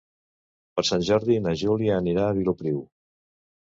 Per Sant Jordi na Júlia anirà a Vilopriu.